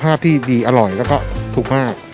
อาหารน้อยก็อร่อยและมีคุณภาพ